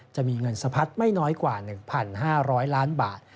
จะมีเงินสะพัดไม่น้อยกว่า๑๕๐๐ล้านบาท